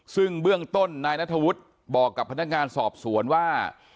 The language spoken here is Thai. ซึ่งเบื้องต้นนายนัทธวุฒิบอกกับพนักงานสอบสวนว่า